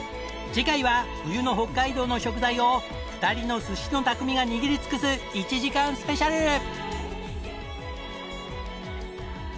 次回は冬の北海道の食材を２人の寿司の匠が握り尽くす１時間スペシャル！